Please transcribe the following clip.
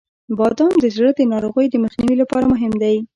• بادام د زړه د ناروغیو د مخنیوي لپاره مهم دی.